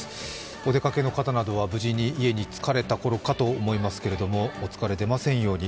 お出かけの方などは無事に家に着かれたころかと思いますけれどもお疲れ、出ませんように。